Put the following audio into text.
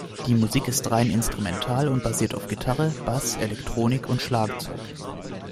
Die Musik ist rein instrumental und basiert auf Gitarre, Bass, Elektronik und Schlagzeug.